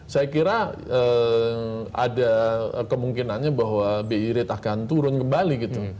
saya kira ada kemungkinannya bahwa bi rate akan turun kembali gitu